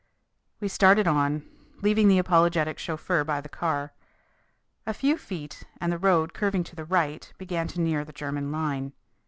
We started on, leaving the apologetic chauffeur by the car. A few feet and the road, curving to the right, began to near the German line.